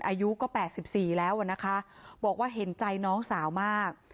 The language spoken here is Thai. อายุก็๘๔แล้วนะคะบอกว่าเห็นใจน้องสาวมาก